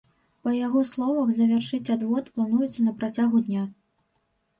Па яго словах, завяршыць адвод плануецца на працягу дня.